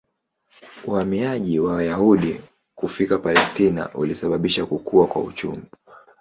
Uhamiaji wa Wayahudi kufika Palestina ulisababisha kukua kwa uchumi.